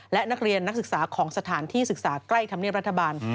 และนักเรียนนักศึกษาของสถานที่ศึกษาใกล้ธรรมเนียบรัฐบาล